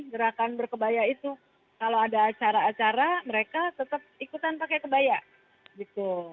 gerakan berkebaya itu kalau ada acara acara mereka tetap ikutan pakai kebaya gitu